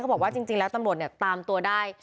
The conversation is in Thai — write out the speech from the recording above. เขาบอกว่าจริงแล้วตำรวจตามตัวได้